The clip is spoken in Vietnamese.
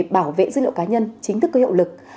bảo vệ dữ liệu cá nhân chính thức có hiệu lực